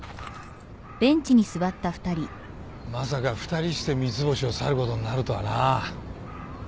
まさか２人して三ツ星を去ることになるとはなぁ。